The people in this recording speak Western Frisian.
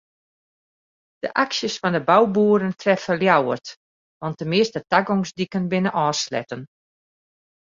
De aksjes fan de bouboeren treffe Ljouwert want de measte tagongsdiken binne ôfsletten.